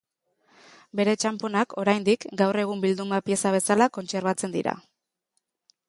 Bere txanponak oraindik gaur egun bilduma pieza bezala kontserbatzen dira.